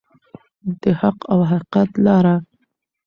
د حق او حقیقت لاره.